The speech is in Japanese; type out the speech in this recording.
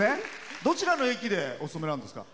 どちらの駅でお勤めなんですか？